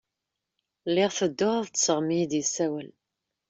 Lliɣ tedduɣ ad ṭṭṣeɣ mi i iyi-d-yessawel.